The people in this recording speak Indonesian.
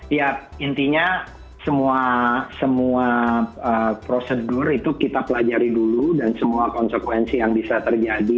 ya intinya semua prosedur itu kita pelajari dulu dan semua konsekuensi yang bisa terjadi